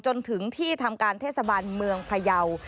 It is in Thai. จนถึงที่ทำการเทศบาลเมืองพยาว